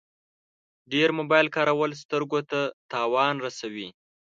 ډېر موبایل کارول سترګو ته زیان رسوي.